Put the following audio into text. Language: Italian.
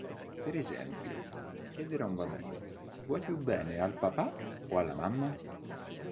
Per esempio, chiedere ad un bambino "vuoi più bene al papà o alla mamma?